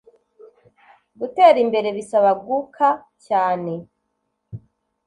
gutera imbere bisaba guka cyane